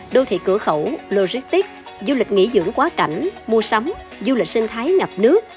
đô thị cửa khẩu logistics du lịch nghỉ dưỡng quá cảnh mua sắm du lịch sinh thái ngập nước